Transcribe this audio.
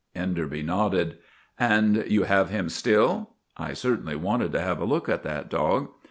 Enderby nodded. " And you have him still ?' I certainly wanted to have a look at that dog.